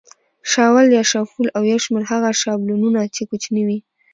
شاول یا شافول او یو شمېر هغه شابلونونه چې کوچني وي.